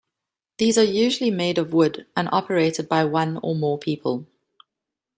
These are usually made of wood, and operated by one or more people.